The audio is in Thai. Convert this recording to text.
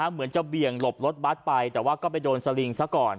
เหมือนจะเบี่ยงหลบรถบัตรไปแต่ว่าก็ไปโดนสลิงซะก่อน